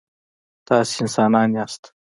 تاسي انسانان یاست.